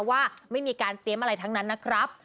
ว่าไม่มีการเตรียมอะไรทั้งนั้นนะครับ